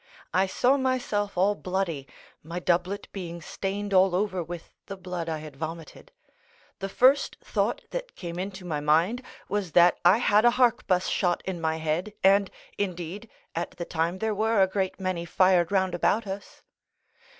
I saw myself all bloody, my doublet being stained all over with the blood I had vomited. The first thought that came into my mind was that I had a harquebuss shot in my head, and indeed, at the time there were a great many fired round about us.